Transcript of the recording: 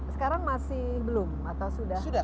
sekarang masih belum atau sudah